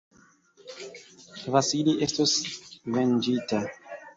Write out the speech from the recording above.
Vasili estos venĝita!